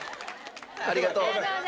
ありがとう。